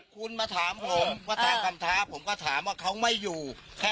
คุณมาถามผมว่าทางคำท้าผมก็ถามว่าเขาไม่อยู่